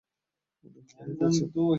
উনি হারিয়ে গেছেন।